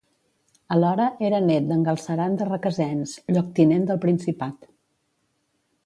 Alhora, era nét d'en Galceran de Requesens, lloctinent del principat.